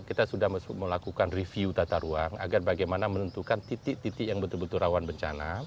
kita sudah melakukan review tata ruang agar bagaimana menentukan titik titik yang betul betul rawan bencana